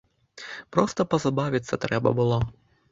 Проста пазабавіцца трэба было.